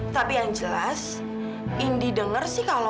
tapi yang jelas indi dengar sih kalau